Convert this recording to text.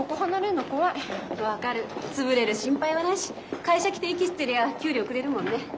潰れる心配はないし会社来て息吸ってりゃ給料くれるもんね。